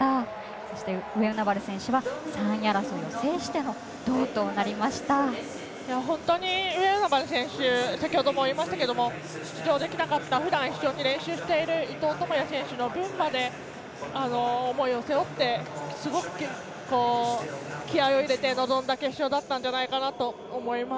そして上与那原選手は３位争いを制しての本当に上与那原選手先ほども言いましたけれども出場できなかったふだん、一緒に練習している伊藤智也選手の分まで思いを背負ってすごく気合いを入れて臨んだ決勝だったんじゃないかなと思います。